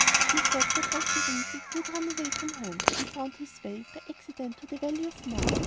In fact, that was the reason he had run away from home and found his way, by accident, to the Valley of Mo.